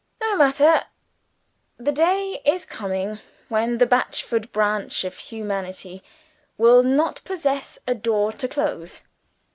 No matter! The day is coming when the Batchford branch of humanity will not possess a door to close.